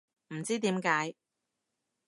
唔知點解